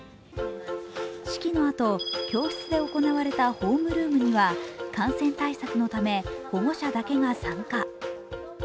式のあと教室で行われたホームルームには感染対策のため保護者だけが参加。